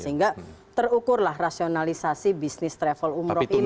sehingga terukurlah rasionalisasi bisnis travel umroh ini